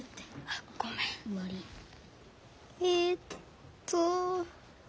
えっと。